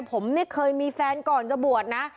ผมเนี่ยเคยมีแฟนก่อนจะบวชนะ